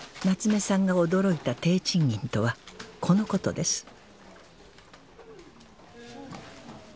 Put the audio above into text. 夏目さんが驚いた低賃金とはこのことです